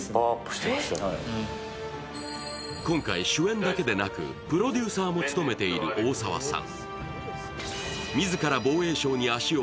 今回、主演だけでなくプロデューサーも務めている大沢さん。